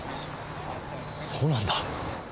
そそうなんだ。